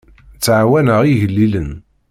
Ttɛawaneɣ igellilen.